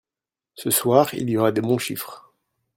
Ce soir, il y aura des bons chiffres